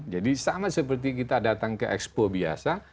jadi sama seperti kita datang ke expo biasa